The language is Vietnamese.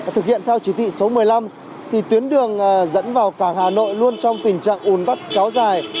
thực hiện theo chỉ thị số một mươi năm tuyến đường dẫn vào cảng hà nội luôn trong tình trạng ùn tắc kéo dài